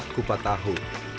buah kupat tahu